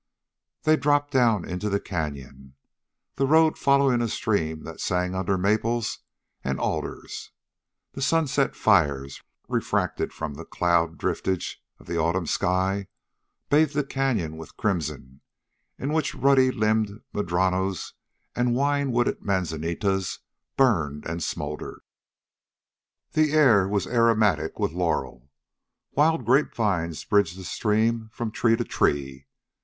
They dropped down into the canyon, the road following a stream that sang under maples and alders. The sunset fires, refracted from the cloud driftage of the autumn sky, bathed the canyon with crimson, in which ruddy limbed madronos and wine wooded manzanitas burned and smoldered. The air was aromatic with laurel. Wild grape vines bridged the stream from tree to tree.